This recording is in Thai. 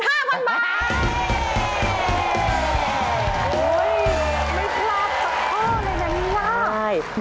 ไม่ครอบจับข้อเลยนะนี่